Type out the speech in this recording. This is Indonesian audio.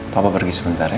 papa pergi sebentar ya